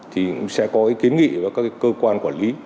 thì cũng sẽ có kiến nghị với các cơ quan quản lý